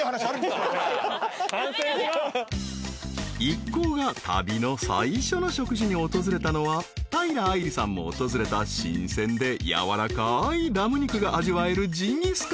［一行が旅の最初の食事に訪れたのは平愛梨さんも訪れた新鮮で軟らかいラム肉が味わえるジンギスカン］